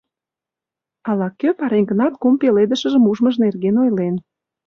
Ала-кӧ пареҥгынат кум пеледышыжым ужмыж нерген ойлен.